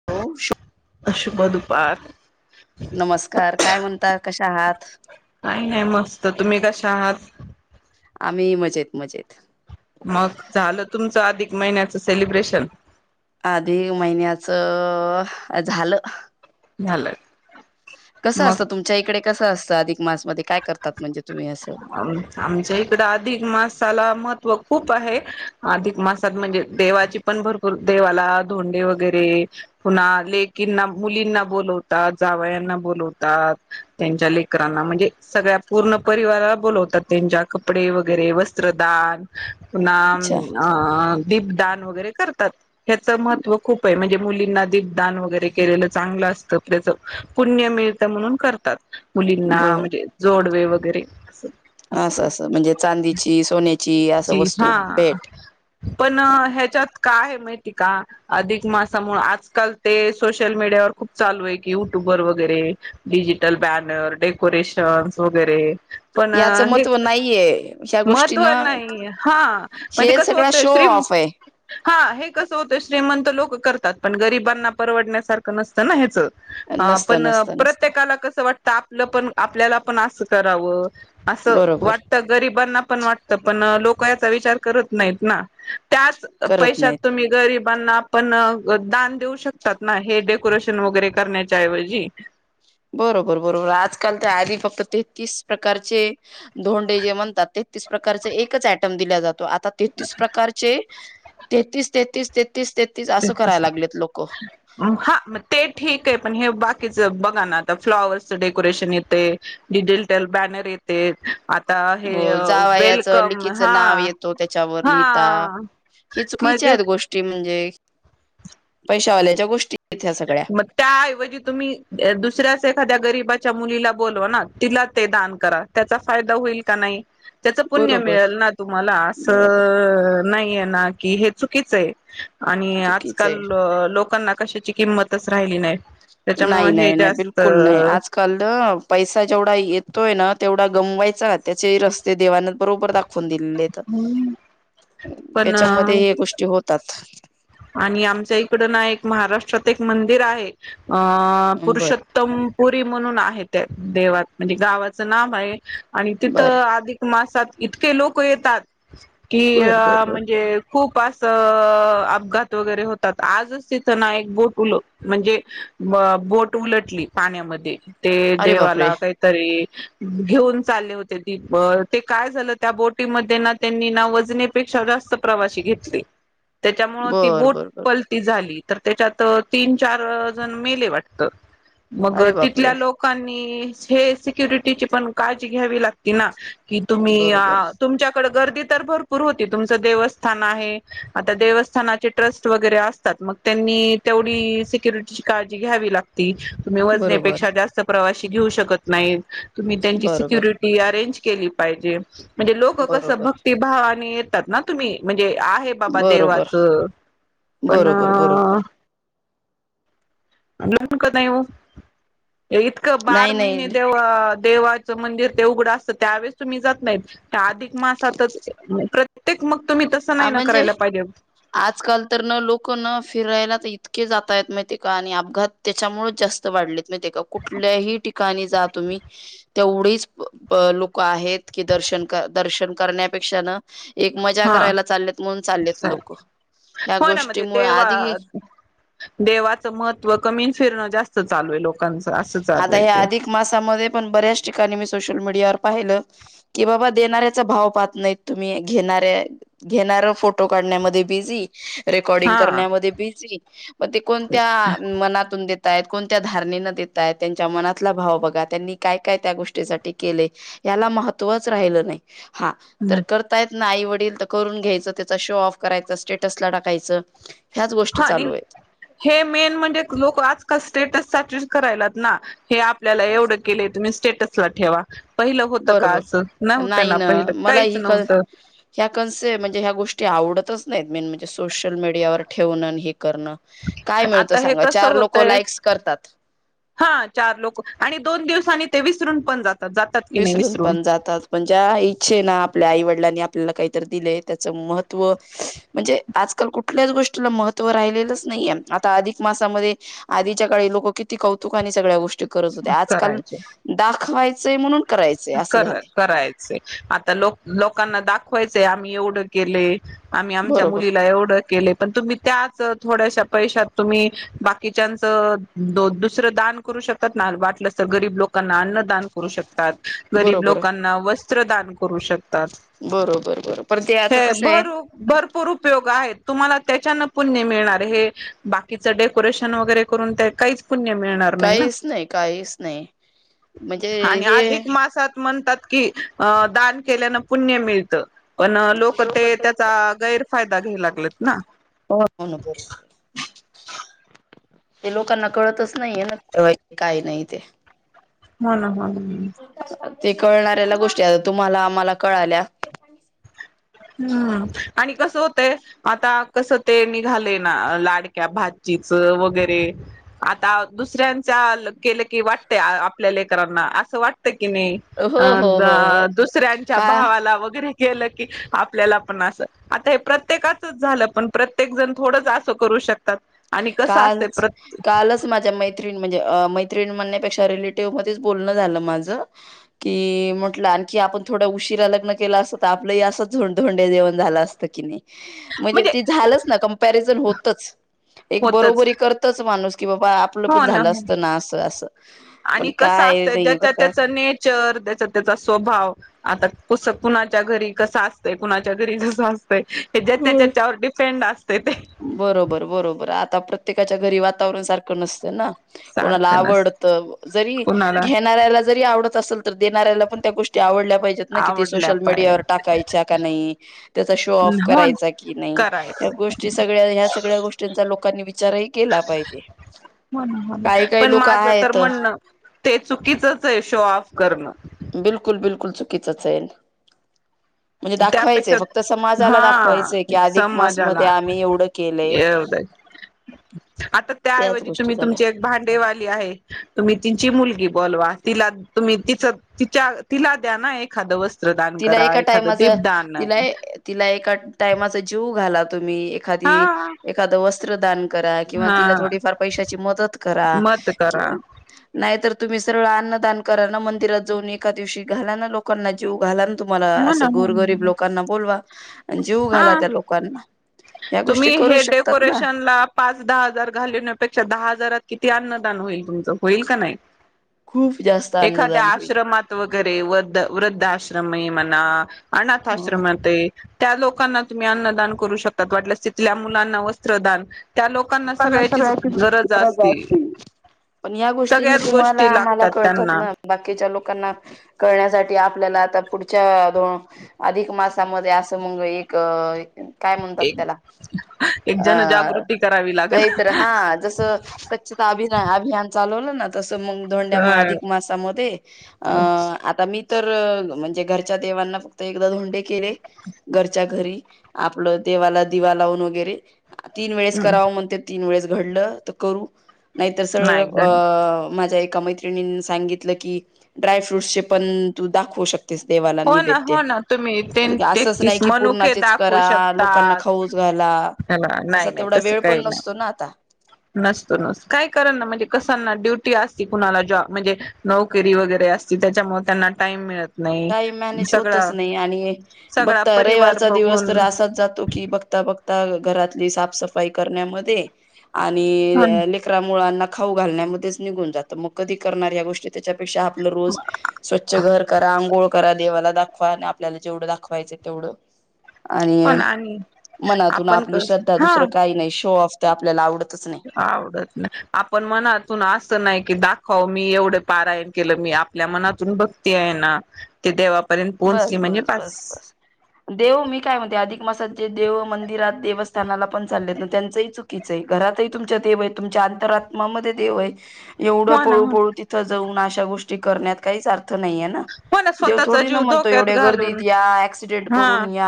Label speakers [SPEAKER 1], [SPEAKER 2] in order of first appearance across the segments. [SPEAKER 1] [unintelligible]
[SPEAKER 2] [unintelligible]
[SPEAKER 1] नमस्कार काय म्हणतात कशा आहात
[SPEAKER 2] काही नाही मस्त तुम्ही कशा आहात
[SPEAKER 1] आम्ही मजेत मजेत.
[SPEAKER 2] मग, झालं तुमचं अधिक महिन्याचं सेलिब्रेशन?
[SPEAKER 1] अधिक महिन्याचं झालं.
[SPEAKER 2] झालं.
[SPEAKER 1] कसं
[SPEAKER 2] मग
[SPEAKER 1] असतं तुमच्या इकडे? कसं असतं अधिक मासमध्ये? काय करतात म्हणजे तुम्ही असं?
[SPEAKER 2] आमच्या इकडं अधिक मासाला महत्त्व खूप आहे, अधिक मासात म्हणजे देवाची पण भरपूर देवाला धोंडे वगैरे पुन्हा लेकींना, मुलींना बोलवतात जावयांना बोलवतात त्यांच्या लेकरांना म्हणजे सगळ्या पूर्ण परिवाराला बोलवतात त्यांच्या कपडे वगैरे वस्त्रदान. पुन्हा अम
[SPEAKER 1] अच्छा
[SPEAKER 2] आ दीपदान वगैरे करतात. ह्याचं महत्व खूप आहे म्हणजे मुलींना दीपदान वगैरे केलेलं चांगलं असतं, त्याच पुण्य मिळतं म्हणून करतात, मुलींना
[SPEAKER 1] बर
[SPEAKER 2] म्हणजे जोडवे वगैरे असं
[SPEAKER 1] असं असं म्हणजे चांदीची-सोन्याची असं
[SPEAKER 2] जी हा
[SPEAKER 1] वस्तू भेट.
[SPEAKER 2] पण ह्याच्यात का आहे माहिती का अधिक मासामुळे आजकाल ते सोशल मीडियावर खूप चालू आहे की युट्युबर वगैरे डिजिटल बॅनर डेकोरेशन्स वगैरे पण
[SPEAKER 1] याचं
[SPEAKER 2] हे
[SPEAKER 1] महत्त्व नाहीये ह्या
[SPEAKER 2] महत्वा -
[SPEAKER 1] गोष्टीनं
[SPEAKER 2] नाही, हा म्हणजे
[SPEAKER 1] हे
[SPEAKER 2] कस
[SPEAKER 1] सगळा
[SPEAKER 2] होत
[SPEAKER 1] शो
[SPEAKER 2] श्री
[SPEAKER 1] ऑफ आहे
[SPEAKER 2] हा! हे कसं होतं श्रीमंत लोक करतात पण गरीबांना परवडण्यासारखं नसतं ना हेच. ह
[SPEAKER 1] नसतं
[SPEAKER 2] पण
[SPEAKER 1] नसतं नसतं
[SPEAKER 2] प्रत्येकाला कसं वाटत आपलं पण आपल्याला पण असं करावं. असं
[SPEAKER 1] बरोबर
[SPEAKER 2] वाटत गरीबांना पण वाटतं, पण लोक याचा विचार करत नाहीत ना. त्याच
[SPEAKER 1] करत
[SPEAKER 2] पैशात
[SPEAKER 1] नाहीत
[SPEAKER 2] तुम्ही गरीबांना पण दान देऊ शकतात ना हे डेकोरेशन वगैरे करण्याच्या ऐवजी.
[SPEAKER 1] बरोबर! बरोबर! आजकाल ते आधी फक्त तेहतीस प्रकारचे धोंडे जे म्हणतात तेहत्तीस प्रकारचे एकच आयटम दिला जातो, आता तेतीस प्रकारचे, तेतीस-तेतीस-तेतीस-तेती
[SPEAKER 2] त्यतिस हा हा! मग ते ठीक आहे पण, हे बाकीच बघा ना आता फ्लॉवर्सचं डेकोरेशन येतय. डिजिटल बॅनर येतेत, आता आता हे
[SPEAKER 1] हो जावयाचं
[SPEAKER 2] वेलकम,
[SPEAKER 1] लिकीचं
[SPEAKER 2] हा हा.
[SPEAKER 1] हि
[SPEAKER 2] मग
[SPEAKER 1] चुकीच्या आहेत गोष्टी, म्हणजे पैशावाल्याच्या गोष्टी आहेत या सगळ्या
[SPEAKER 2] मग त्याऐवजी तुम्ही दुसऱ्याच एखाद्या गरीबाच्या मुलीला बोलवा ना, तिला ते दान करा. त्याचा फायदा होईल का नाही? त्याच पुण्य
[SPEAKER 1] बरोबर
[SPEAKER 2] मिळेल ना तुम्हाला,
[SPEAKER 1] बरोबर
[SPEAKER 2] असं नाही आहे ना कि हे चुकीचं हाए आणि
[SPEAKER 1] चुकीच
[SPEAKER 2] आजकाल
[SPEAKER 1] आहे
[SPEAKER 2] लोकांना कशाची किंमतच राहिली नाही. त्याच्यामुळे हे जास्त
[SPEAKER 1] खल पैसा जेवढा येतोय, ना तेवढा गमवायचा त्याचे रस्ते देवाना बरोबर दाख वून दिलेत,
[SPEAKER 2] पण
[SPEAKER 1] त्याच्यामध्ये हे गोष्टी होतात.
[SPEAKER 2] आणि आमच्या इकडं ना, एक महाराष्ट्रात एक मंदिर आहे अ
[SPEAKER 1] बर
[SPEAKER 2] पुरुषोत्तम पुरी म्हणून आहे, त्या देवात म्हणजे गावाच नाव आहे आणि
[SPEAKER 1] बर
[SPEAKER 2] तिथं आधिक मासात इतके लोक येतात की,
[SPEAKER 1] बर बर बर बर
[SPEAKER 2] म्हणजे अ खूप असं अपघात वगैरे होतात, आजच तिथं ना एक बोट उल म्हणजे ब बोट उलटली पाण्यामध्ये, ते
[SPEAKER 1] अरे बापरे
[SPEAKER 2] देवाला काहीतरी घेऊन चालले होते ती, ते काय झालं त्या बोटीमध्ये ना त्यांनी ना वजने पेक्षा जास्त प्रवाशी घेतले.
[SPEAKER 1] [inaudible]
[SPEAKER 2] त्याच्यामुळं ती
[SPEAKER 1] बर
[SPEAKER 2] बोट
[SPEAKER 1] बर बर
[SPEAKER 2] पलटी झाली, तर त्याच्यात तीन चार जण मेले वाटतं. मग
[SPEAKER 1] अरे बापरे
[SPEAKER 2] तिथल्या लोकांनी, हे सिक्युरिटीची पण काळजी घ्यावी लागती ना. कि तुम्ही
[SPEAKER 1] बरोबर
[SPEAKER 2] तुमच्याकडे गर्दी तर भर पूर होती तुमच देवस्थान आहे. आता देवस्थानाचे ट्रस्ट वगेरे असतात, मग त्यांनी तेवढी सिक्युिरिटीची काळजी घ्यावी लागते. तुम्ही
[SPEAKER 1] बरोबर
[SPEAKER 2] वजनेपेक्षा जास्त प्रवाशी घेऊ शकत नाही. तुम्ही त्यांची
[SPEAKER 1] बरोबर
[SPEAKER 2] सिक्युरिटी ती अरेंज केली पाहिजे, म्हणजे लोक कस
[SPEAKER 1] बरोबर
[SPEAKER 2] भक्तिभावाने करतात ना तुम्ही म्हणजे आहे. बाबा
[SPEAKER 1] बरोबर
[SPEAKER 2] देवाचं पण
[SPEAKER 1] बरोबर
[SPEAKER 2] अ
[SPEAKER 1] बरोबर
[SPEAKER 2] जरा पण कळत नाही ओ, इतकं बार
[SPEAKER 1] नाही नाही
[SPEAKER 2] महिने देवात देवाचं मंदिर ते उघड असतं, त्यावेेळेस तुम्ही जात नाहीत त्या अधिक मासातच प्र प्रत्येक मग तुम्ही तसं
[SPEAKER 1] आ
[SPEAKER 2] नाही ना
[SPEAKER 1] म्हणजे
[SPEAKER 2] करायला पाहिजे.
[SPEAKER 1] आजकाल तर न लोक न फिरायला तर इतके जातायत, माहिते का आणि अपघात त्याच्यामुळेच जास्त त वाढलेत माहितए का? कुठल्याही ठिकाणी जा तुम्ही तेवढीच लोक आहेत, की दर्शन कर दर्शन करण्यापेक्षा न एक म
[SPEAKER 2] हा
[SPEAKER 1] करायला चाललेत, म्हणून चाललेत
[SPEAKER 2] चालेल
[SPEAKER 1] लोक या
[SPEAKER 2] हो ना मग ते
[SPEAKER 1] गोष्टीमुळे
[SPEAKER 2] देवा
[SPEAKER 1] आधी
[SPEAKER 2] देवाचं महत्त्व कमी अन् फिरणं जास्त चालू आहे. लोकांचं असं चालू
[SPEAKER 1] आता
[SPEAKER 2] आहे
[SPEAKER 1] ह्या
[SPEAKER 2] ते
[SPEAKER 1] अधिक मासामध्ये पण बऱ्याच ठिकाणी मी सोशल मीडियावर पाहिलं कि बाबा देणाऱ्याचा भाव पाहत नाहीत तुम्ही घेणाऱ्या घेणारं फोटो काढण्यामध्ये बिझी. रेकॉर्डिंग
[SPEAKER 2] हा
[SPEAKER 1] करण्यामध्ये बिझी म ते कोणत्या मनातून देत? देतायत. कोणत्या धारणे न देताय त्यांच्या मनातला भाव बघा त्यांनी काय काय त्या गोष्टीसाठी केले? याला महत्वच राहिलं नाही, हा तर
[SPEAKER 2] हा
[SPEAKER 1] कर तायत ना आई वडील तर करून घ्यायचं, त्याचा शो ऑफ करायचा स्टेटसला टाकायचं. ह्याच गोष्टी
[SPEAKER 2] आणि
[SPEAKER 1] चालू आहेत.
[SPEAKER 2] हे मेन म्हणजे लोक आजकाल स्टेटस साठीच करायल्यात ना हे आपल्याला एवढं केलय तुमी स्टेटस ला ठेवा. पहिलं होतं का
[SPEAKER 1] बरोबर
[SPEAKER 2] असं, नव्हतं
[SPEAKER 1] नाही
[SPEAKER 2] ना पहिलं
[SPEAKER 1] मला
[SPEAKER 2] काहीच
[SPEAKER 1] ही क
[SPEAKER 2] नव्हतं.
[SPEAKER 1] ह्या कन्से म्हणजे ह्या गोष्टी आवडतच नाहीत मेन म्हणजे सोशल मीडियावर ठेवणं आणि हे करणं. काय मिळतो
[SPEAKER 2] आता हे
[SPEAKER 1] सांगा
[SPEAKER 2] कसं
[SPEAKER 1] चार लोक
[SPEAKER 2] होतंय
[SPEAKER 1] लाईक्स करतात.
[SPEAKER 2] हा चार लोक आणि दोन दिवसानी ते विसरून पण जातात जातात की नाही विसरून.
[SPEAKER 1] पण जातात पण ज्या इच्छे ना आपल्या आई वडिलांनी आपल्याला काहीतरी दिलंय त्याचं महत्व म्हणजे आजकाल कुठल्याच गोष्टीला महत्त्व राहिलेलंच नाहीये आता अधिक मासामध्ये आधीच्या काळी लोक किती कौतुका आणि सगळ्या गोष्टी करत होते. आजकाल दाखवायचंय म्हणून करायचंय असं
[SPEAKER 2] क
[SPEAKER 1] झालंय
[SPEAKER 2] करायचं आता लोक लोकांना दाखवायचंय आम्ही एवढं केले. आम्ही आमच्या
[SPEAKER 1] बरोबर
[SPEAKER 2] मुलीला एवढं केले. पण तुम्ही त्याच थोड्याश्या पैशात तुम्ही बाकीच्याच दुसरं दान - - करू शकतात ना. वाटलं तर गरीब लोकांना अन्नदान करू शकतात. गरीब
[SPEAKER 1] बरोबर
[SPEAKER 2] लोकांना वस्त्र दान करू शकतात.
[SPEAKER 1] बरोबर, बरोबर. प ते आचं
[SPEAKER 2] हे
[SPEAKER 1] कसंय.
[SPEAKER 2] भरू भरपूर उपयोग आहेत तुम्हाला त्याच्यान पुण्य मिळणार हे बाकीचं डेकोरेशन वगैरे करून ते काहीच पुण्य मिळणार - -
[SPEAKER 1] काहीच नाही, काहीच नाही म्हणजे हे
[SPEAKER 2] असात म्हणतात की अ दान केल्यान पुण्य मिळतं. पण लोक ते त्याचा गैरफायदा घ्याऊ लागलेत ना.
[SPEAKER 1] हो ना. बरोबर आहे. ते लोकांना कळतच नाहीये ना काही नाही ते.
[SPEAKER 2] हा ना हाना ह.
[SPEAKER 1] ते कळणाऱ्याला गोष्टी आ तुम्हाला आम्हाला कळाल्या.
[SPEAKER 2] हम्म आणि कसं होतंय आता कसं ते निघाले ना लाडक्या भाचीच वगैरे आता दुसऱ्यांच्या केलं की वाटतंय आपल्या लेकरांना असं वाटतं कीनी -
[SPEAKER 1] हो
[SPEAKER 2] अं
[SPEAKER 1] हो हो हो
[SPEAKER 2] दुसऱ्यांच्या
[SPEAKER 1] का
[SPEAKER 2] भावाला वगैरे गेलं की - - आपल्याला पण असं आता हे प्रत्येकाचच झालं पण प्रत्येक जण थोडंच असं करू शकतात. आणि कसं असते
[SPEAKER 1] कालच,
[SPEAKER 2] प्रत्य
[SPEAKER 1] कालच माझ्या मै त्रीण म्हणजे मैत्रीण म्हणण्यापेक्षा रिलेटिव्ह मध्येच बोलण झालं माझ कि म्हंटलं आणखी आपण थोड्या उशीरा लग्न केलं असतं तर आपलंही असंच धोंडे जेवण झालं असतं कीनी. ह. म्हणजे त झालंच ना. कंपॅरिझन होतच. एक
[SPEAKER 2] होतच
[SPEAKER 1] बरोबरी करतच माणूस की बाबा आपलं
[SPEAKER 2] हो
[SPEAKER 1] पण
[SPEAKER 2] ना
[SPEAKER 1] झालं
[SPEAKER 2] हो
[SPEAKER 1] असतं ना. असं, असं पण काय नाही बरं का
[SPEAKER 2] चर त्याचा -त्याचा स्वभाव. आता कस कुणाच्या घरी कसं असतं कुणाच्या घरी कस असतंय - - हे ज्याच्या तेच्यावर डिफेंड असतयं ते.
[SPEAKER 1] बरोबर, बरोबर. आता प्रत्येकाच्या घरी वातावरण सारखं नसतं ना. कोणाला
[SPEAKER 2] सारखं नसत
[SPEAKER 1] आवडत जरी
[SPEAKER 2] कुणाला
[SPEAKER 1] घेणाऱ्याला जरी आवडत असेल तर देणाऱ्याला पण त्या गोष्टी आवडल्या पाहि जेत ना किती
[SPEAKER 2] आवडल्या
[SPEAKER 1] सोशल
[SPEAKER 2] पाय
[SPEAKER 1] मीडियावर टाकायच्या का नाही. त्याचा शो ऑफ
[SPEAKER 2] हो ना
[SPEAKER 1] करायचा कि नाही या
[SPEAKER 2] करायचं
[SPEAKER 1] गोष्टी - - सगळ्या ह्या सगळ्या गोष्टींचा लोकांनी विचारही केला पाहिजे.
[SPEAKER 2] हो ना, हो ना.
[SPEAKER 1] काही काही
[SPEAKER 2] पण
[SPEAKER 1] लोक
[SPEAKER 2] माझं तर
[SPEAKER 1] आहेत
[SPEAKER 2] म्हणणं ते चुकीचचहे शो ऑफ करणं.
[SPEAKER 1] बिलकुल, बिलकुल चुकीचच हाय. म्हणजे दाखवायचंय
[SPEAKER 2] त्यापेक्षा
[SPEAKER 1] फक्त समाजाला
[SPEAKER 2] हा
[SPEAKER 1] दाखवायचंय की अधिक मास मध्ये
[SPEAKER 2] समाजाला
[SPEAKER 1] आम्ही एवढं केलंय
[SPEAKER 2] एवढं आता
[SPEAKER 1] त्याच
[SPEAKER 2] त्याऐवजी
[SPEAKER 1] गोष्टी
[SPEAKER 2] तुम्ही
[SPEAKER 1] झाल्या
[SPEAKER 2] तुमचे - - भांडेवाली आहे. तुम्ही तिची मुलगी बोलवा. तिला तुम्ही तिच - - तिच्या तिला द्या ना एखादं वस्त्रदान करा. एखादं
[SPEAKER 1] टायमाझं
[SPEAKER 2] दीपदान
[SPEAKER 1] तिला ए तिला एका टायमाचा जीव घाला तुम्ही एखादी
[SPEAKER 2] हा
[SPEAKER 1] एखाद वस्त्रदान करा किंवा तिला
[SPEAKER 2] हा
[SPEAKER 1] थोडीफार पैशाची मदत करा
[SPEAKER 2] मत करा
[SPEAKER 1] नाही तर तुम्ही सरळ अन्नदान करा ना मंदिरात जाऊन एका दिवशी घाला ना लोकांना जीव घाला ना तुम्हाला
[SPEAKER 2] हो ना
[SPEAKER 1] असं
[SPEAKER 2] हो
[SPEAKER 1] गोरगरीब
[SPEAKER 2] ना
[SPEAKER 1] लोकांना बोलवा आणि जीव घाला
[SPEAKER 2] हा
[SPEAKER 1] त्या लोकांना ह्या गोष्टी
[SPEAKER 2] तुम्ही
[SPEAKER 1] करू
[SPEAKER 2] हे
[SPEAKER 1] शकतात ना
[SPEAKER 2] डेकोरेशनला पाच दहा हजार घालण्यापेक्षा दहा हजारात किती अन्नदान होईल तुमचं होईल का नाही
[SPEAKER 1] खूप जास्त
[SPEAKER 2] एखाद्या
[SPEAKER 1] अन्नदान होईल
[SPEAKER 2] आश्रमात वगैरे वृद्ध वृद्धाश्रमे मना अनाथ आश्रम ते त्या लोकांना तुम्ही अन्नदान करू शकतात वाटलं तिथल्या मुलांना वस्त्रदान त्या लोकांना सगळ्याची गरज असते
[SPEAKER 1] पण या गोष्टींना
[SPEAKER 2] सगळ्याच
[SPEAKER 1] तुम्हाला
[SPEAKER 2] गोष्टी
[SPEAKER 1] आम्हाला
[SPEAKER 2] लागतात
[SPEAKER 1] कळतात
[SPEAKER 2] त्यांना
[SPEAKER 1] ना बाकीच्या लोकांना करण्यासाठी आपल्याला आता पुढच्या ोन अधिक मासामध्ये असं मंग एक काय म्हणतात
[SPEAKER 2] एक
[SPEAKER 1] त्याला
[SPEAKER 2] एक
[SPEAKER 1] अ
[SPEAKER 2] जनजागृती करावी लागेल
[SPEAKER 1] काहीत हा जस स्वच्छता अभि अभियान चालवलं ना तसं मग दोंड्या म अधिक मासामध्ये अ आता मी तर म्हणजे घरच्या देवांना फक्त एकदा धोंडे केले घरच्या घरी आपलं देवाला दिवा लावून वगैरे तीन वेळेस कराव म्हणते ती वेळेस घड कर नाही स
[SPEAKER 2] नाही घड
[SPEAKER 1] मा ि सांगितलं की ड्राय फ्रूट चे पण तू दाखवू शक देवा
[SPEAKER 2] हो
[SPEAKER 1] निद
[SPEAKER 2] ना हो ना तुम्ही ते
[SPEAKER 1] म्ह असच नाही
[SPEAKER 2] तेहतीस
[SPEAKER 1] की
[SPEAKER 2] मनुके
[SPEAKER 1] पूर्णाच
[SPEAKER 2] दाखवू
[SPEAKER 1] करा लोकांना
[SPEAKER 2] शकतात
[SPEAKER 1] फौस घाला
[SPEAKER 2] ह
[SPEAKER 1] असा
[SPEAKER 2] नाही नाही
[SPEAKER 1] तेवढा
[SPEAKER 2] तसं
[SPEAKER 1] वेळ पण
[SPEAKER 2] काही
[SPEAKER 1] नसतो ना
[SPEAKER 2] नाही
[SPEAKER 1] आता
[SPEAKER 2] नसतो नस काय कारण ना म्हणजे कसांना ड्युटी असती कुणाला जॉ म्हणजे नोकरी वगैरे असतील त्याच्यामुळे त्यांना टाइम मिळत नाही
[SPEAKER 1] ताई मॅने
[SPEAKER 2] सगळा
[SPEAKER 1] होतोस नाही आणि
[SPEAKER 2] सगळा
[SPEAKER 1] बघता
[SPEAKER 2] परिवार
[SPEAKER 1] रविवारचा दिवस
[SPEAKER 2] बघून
[SPEAKER 1] तर असाच जातो की बघता बघता घरातली साफसफाई करण्यामध्ये आणि
[SPEAKER 2] पण
[SPEAKER 1] शकरा मुळांना खाऊ घालण्यामध्येच निघून जात मग कधी करणार या गोष्टी त्याच्यापेक्षा आपलं रोज स्वच्छ घर करा आंघोळ करा देवाला दाखवा आणि आपल्याला जेवढं दाखवायचं तेवढं आणि
[SPEAKER 2] पण आणि
[SPEAKER 1] मनातून
[SPEAKER 2] आपण
[SPEAKER 1] आपली
[SPEAKER 2] कस
[SPEAKER 1] श्रद्धा
[SPEAKER 2] हा
[SPEAKER 1] दुसरं काही नाही शोऑफ ते आपल्याला आवडतच नाही
[SPEAKER 2] आवडत नाही आपण मनातून असं नाही की दाखव मी एवढे पारायण केलं मी आपल्या मनातून भक्ती आहे ना ते देवापर्यंत पोहोचली
[SPEAKER 1] बस
[SPEAKER 2] म्हणजे
[SPEAKER 1] बस
[SPEAKER 2] पास
[SPEAKER 1] बस बस देव मी काय म्हणते अधिक मासात जे देव मंदिरात देवस्थानाला पण चाललेत ना त्यांचंही चुक कीच आहे घरातही तुमच्या देव आहे तुमच्या आंतरातत्मामध्ये देव आहे एवढं
[SPEAKER 2] हो ना
[SPEAKER 1] पळू
[SPEAKER 2] हो
[SPEAKER 1] पळू तिथं जाऊन अशा गोष्टी करण्यात काहीच अर्थ नाहीय
[SPEAKER 2] पण स्वतःचा जीव ो
[SPEAKER 1] एवढ गर्दीत या अक्सिडेंट करून या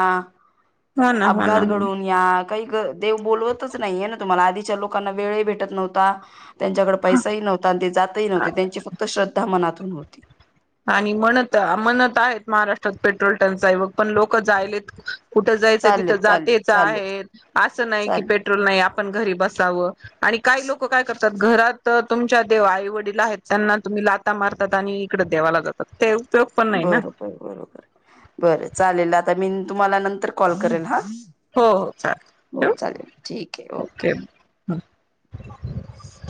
[SPEAKER 2] हो ना हो ना
[SPEAKER 1] अपघात
[SPEAKER 2] हो
[SPEAKER 1] घडून या काही दे बोलवतच नाही आहे ना तुम्हाला आधीच्या लोकांना वेळ भेटत नव्हता त्यांच्याकडे पैसाही नव्हता आणि ते जातही नव्हते त्यांची फक्त श्रद्धा मनातून होती
[SPEAKER 2] आणि म्हणत म्हणत आहेत महाराष्ट्रात पेट्रोल टंकचाईवग पण लोक जायलेत कुठं जायचं तिथं
[SPEAKER 1] चाललेत चाललेत
[SPEAKER 2] जातेच
[SPEAKER 1] चाललेत
[SPEAKER 2] आहे असं नाही की
[SPEAKER 1] चाललेत
[SPEAKER 2] पेट्रोल नाही आपण घरी बसावं आणि काही लोक काय करतात घरात तुमच्या देव आई वडील आहेत त्यांना तुम्ही लाता मारतात आणि इकडे देवाला जातात ते उपयोग पण नाही ना
[SPEAKER 1] बरोबर बरोबर बरं चालेल आता मी तुम्हाला नंतर कॉल करेल हा
[SPEAKER 2] हो हो चालेल
[SPEAKER 1] हो
[SPEAKER 2] ठेवू
[SPEAKER 1] चालेल ठीक आहे ओके